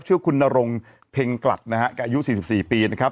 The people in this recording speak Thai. ชื่อคุณนรงเพ็งกลัดนะฮะแกอายุ๔๔ปีนะครับ